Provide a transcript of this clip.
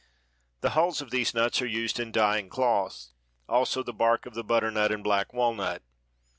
The hulls of these nuts are used in dyeing cloth; also the bark of the butternut and black walnut.